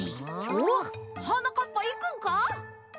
おっはなかっぱいくんか？